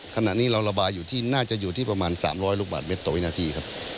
ขณะนี้เราระบายอยู่ที่น่าจะอยู่ที่ประมาณ๓๐๐ลูกบาทเมตรต่อวินาทีครับ